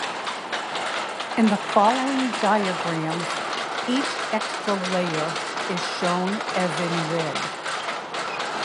In the following diagrams, each extra layer is shown as in red.